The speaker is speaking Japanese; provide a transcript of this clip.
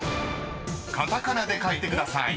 ［カタカナで書いてください］